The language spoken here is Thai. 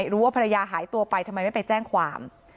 รู้ว่าภรรยาหายตัวไปทำไมไม่ไปแจ้งความ